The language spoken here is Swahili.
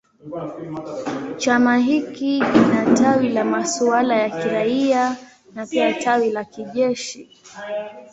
Chama hiki kina tawi la masuala ya kiraia na pia tawi la kijeshi.